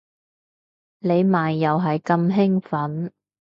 你咪又係咁興奮